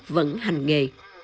vẫn hành nghề